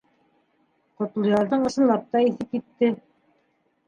Ҡотлоярҙың ысынлап та иҫе китте: